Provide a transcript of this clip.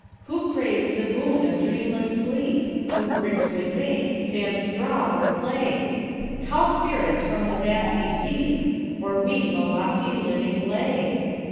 Who craves the boon of dreamless sleep? Who bricks would make, sans straw or clay? "Call spirits from the vasty deep," Or weave a lofty, living lay?